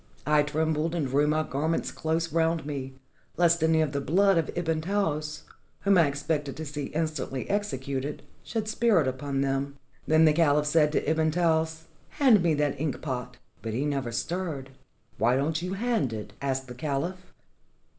I trembled, and drew my garments close round' me, lest any of the blood of Ibn Taous, whom I expected to see instantly executed, should spirt upon them. Then the cahph said to Ibn Taous: 'Hand me that ink pot.' But he never stirred. 'Why don't you hand it?' asked the caliph.